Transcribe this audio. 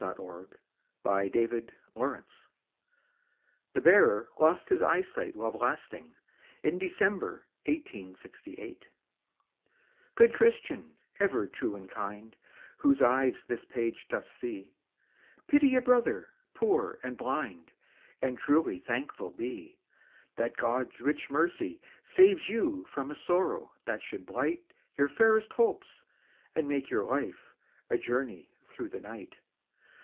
•• 3 PRICE: WHAT YOU PLEASE ©•• The Bearer Lost His Eyesight While Blasting, in December, 1868. ••• Good Christian, ever true and kind, AVhoso eyes this page doth see, Pity a brother, poor and blind, And truly thankful be— That God's rieh mercy saves you from A sorrow that should blight Your fairest hopes and make your life A journey through the night.